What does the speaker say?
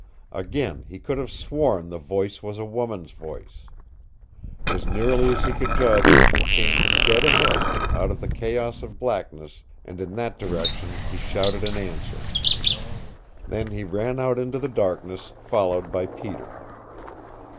Again he could have sworn the voice was a woman's voice. As nearly as he could judge it came from dead ahead, out of the chaos of blackness, and in that direction he shouted an answer. Then he ran out into the darkness, followed by Peter.